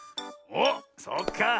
おっそうか。